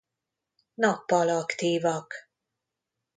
Nappal aktívak.